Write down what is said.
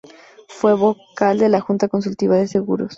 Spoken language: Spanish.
Fue vocal de la Junta Consultiva de Seguros.